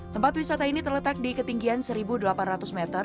tempat wisata ini terletak di ketinggian satu delapan ratus meter